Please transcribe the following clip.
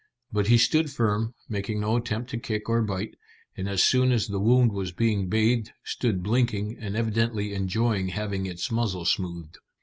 But he stood firm, making no attempt to kick or bite, and as soon as the wound was being bathed, stood blinking and evidently enjoying having its muzzle smoothed.